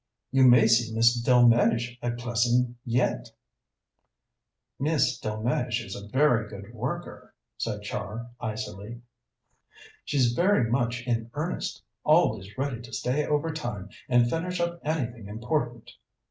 You may see Miss Delmege at Plessing yet." "Miss Delmege is a very good worker," said Char icily. "She's very much in earnest, always ready to stay overtime and finish up anything important."